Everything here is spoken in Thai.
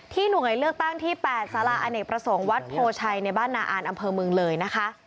หน่วยเลือกตั้งที่๘สาราอเนกประสงค์วัดโพชัยในบ้านนาอ่านอำเภอเมืองเลยนะคะ